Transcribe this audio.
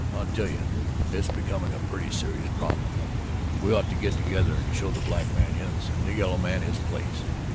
I tell you, it's becoming a pretty serious problem. We ought to get together and show the black man, yes, and the yellow man, his place.